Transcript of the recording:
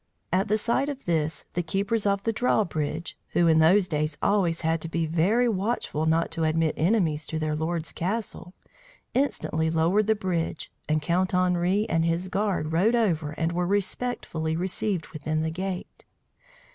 At the sight of this, the keepers of the drawbridge (who in those days always had to be very watchful not to admit enemies to their lord's castle) instantly lowered the bridge, and Count Henri and his guard rode over and were respectfully received within the gate.